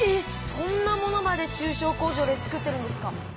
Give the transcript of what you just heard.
そんなものまで中小工場で作ってるんですか。